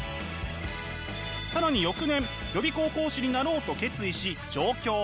更に翌年予備校講師になろうと決意し上京。